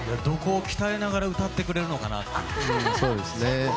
どこを鍛えながら歌ってくれるのかなって。